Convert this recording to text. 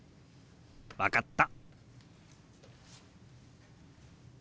分かった。